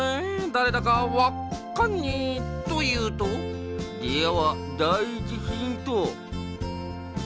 だれだかわっカンニー」というと「ではだい１ヒント」。